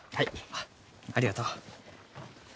あっありがとう。